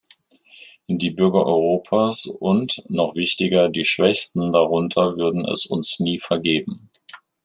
Die Bürger Europas und, noch wichtiger, die Schwächsten darunter würden es uns nie vergeben.